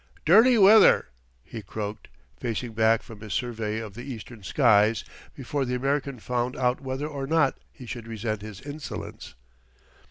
"Dirty weather," he croaked, facing back from his survey of the eastern skies before the American found out whether or not he should resent his insolence.